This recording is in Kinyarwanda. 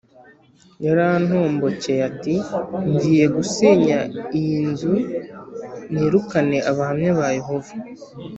Yarantombokeye ati ngiye gusenya iyi nzu nirukane Abahamya ba Yehova